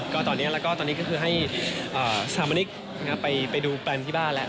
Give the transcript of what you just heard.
ก็ตอนนี้ก็คือให้สถาบันดิกษ์ไปดูแบรนด์ที่บ้านแล้ว